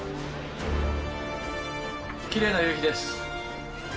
きれいな夕日です。